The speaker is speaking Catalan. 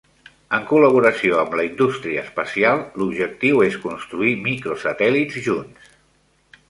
En col·laboració amb la indústria espacial, l'objectiu és construir micro-satèl·lits junts.